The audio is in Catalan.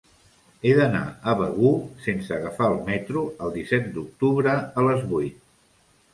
He d'anar a Begur sense agafar el metro el disset d'octubre a les vuit.